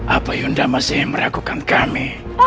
apa yunda masih meragukan kami